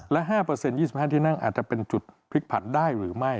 แล้ว๕เปอร์เซ็นต์๒๕ที่นั่งอาจจะเป็นจุดพลิกผัดได้หรือไม่